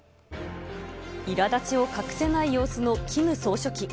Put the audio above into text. いらだちを隠せない様子のキム総書記。